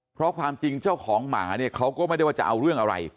เพราะความจริงเจ้าของหมาเนี่ยเขาก็ไม่ได้ว่าจะเอาเรื่องอะไร